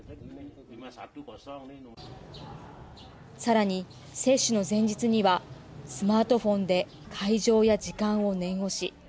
さらに接種の前日にはスマートフォンで会場や時間を念押し。